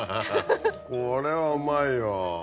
これはうまいよ。